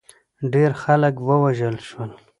ډېر خلک ووژل شول.